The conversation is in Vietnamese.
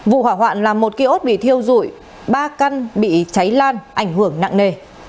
vụ hỏa hoạn làm một kiosk bị thiêu rụi ba căn bị cháy lan ảnh hưởng nặng nề